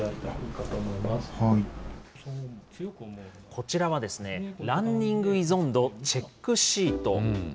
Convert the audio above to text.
こちらはランニング依存度チェックシート。